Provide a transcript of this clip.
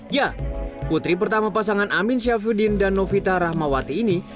ya putri pertama pasangan amin syafuddin dan novita rahmawati ini